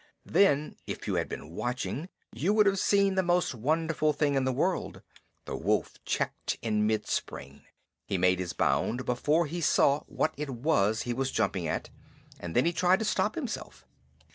Then, if you had been watching, you would have seen the most wonderful thing in the world the wolf checked in mid spring. He made his bound before he saw what it was he was jumping at, and then he tried to stop himself.